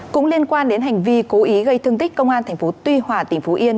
cũng liên quan đến hành vi cố ý gây thương tích công an tp tuy hòa tỉnh phú yên